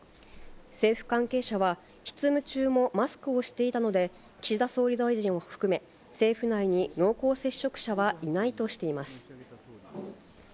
政府関係者は、執務中もマスクをしていたので、岸田総理大臣を含め、政府内に濃厚接触者はいないとしています。